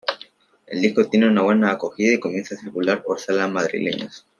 El disco tiene una buena acogida y comienzan a circular por las salas madrileñas.